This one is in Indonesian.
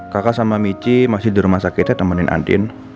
kakak sama mici masih di rumah sakitnya temenin andin